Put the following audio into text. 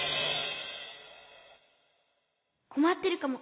こまってるかも。